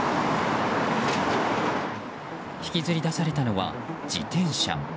引きずり出されたのは自転車。